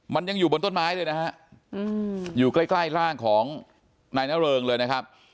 มันยังอยู่บนต้นไม้เลยนะฮะอยู่ใกล้ใกล้ร่างของนายนเริงเลยนะครับ